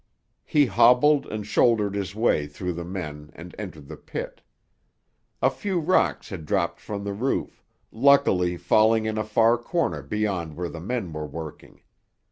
He hobbled and shouldered his way through the men and entered the pit. A few rocks had dropped from the roof, luckily falling in a far corner beyond where the men were working.